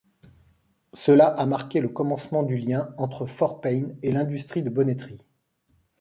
Cela a marqué le commencement du lien entre Fort Payne et l'industrie de bonneterie.